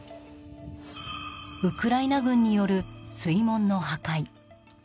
ウクライナ軍による水門の破壊。